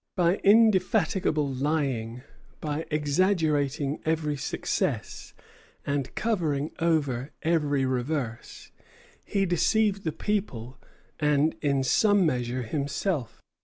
By indefatigable lying, by exaggerating every success and covering over every reverse, he deceived the people and in some measure himself.